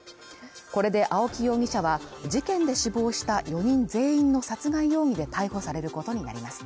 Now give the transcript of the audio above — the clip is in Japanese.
これで青木容疑者は事件で死亡した４人全員の殺害容疑で逮捕されることになります